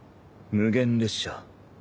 無限列車。